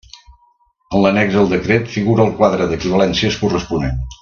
En l'annex al decret figura el quadre d'equivalències corresponent.